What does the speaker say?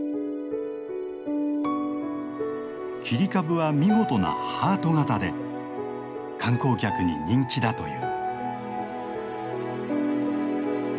切り株は見事なハート形で観光客に人気だという。